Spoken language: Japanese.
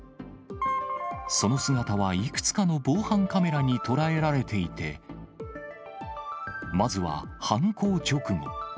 その姿はいくつかの防犯カメラに捉えられていて、まずは、犯行直後。